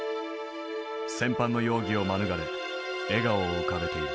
戦犯の容疑を免れ笑顔を浮かべている。